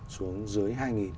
xuống dưới hai nghìn